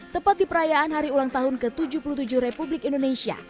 tepat di perayaan hari ulang tahun ke tujuh puluh tujuh republik indonesia